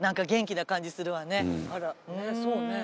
そうね。